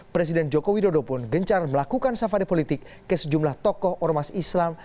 presiden joko widodo pun gencar melakukan safari politik ke sejumlah tokoh ormas islam